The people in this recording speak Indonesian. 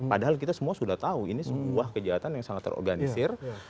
padahal kita semua sudah tahu ini sebuah kejahatan yang sangat terorganisir